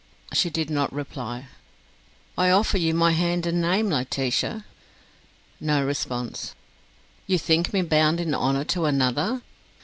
She did not reply. "I offer you my hand and name, Laetitia." No response. "You think me bound in honour to another?"